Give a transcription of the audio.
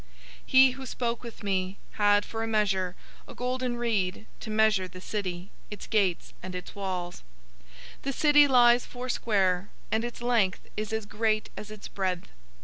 021:015 He who spoke with me had for a measure, a golden reed, to measure the city, its gates, and its walls. 021:016 The city lies foursquare, and its length is as great as its breadth.